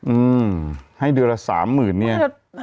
อืมให้เดือนละ๓๐๐๐๐เนี่ย